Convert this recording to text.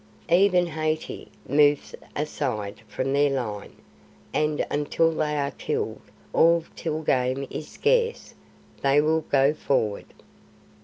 Even Hathi moves aside from their line, and until they are killed, or till game is scarce, they will go forward.